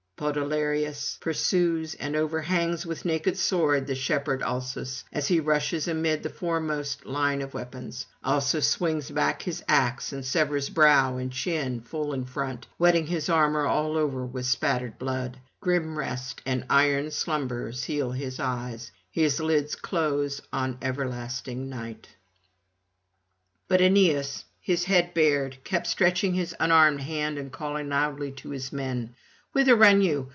Podalirius pursues and overhangs with naked sword the shepherd Alsus as he rushes amid the foremost line of weapons; Alsus swings back his axe, and severs brow and chin full in front, wetting his armour all over with spattered blood. Grim rest and iron slumber seal his eyes; his lids close on everlasting night. But good Aeneas, his head bared, kept stretching his unarmed hand and calling loudly to his men: 'Whither run you?